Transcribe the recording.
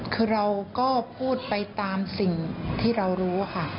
คือเราก็พูดไปตามสิ่งที่เรารู้ค่ะ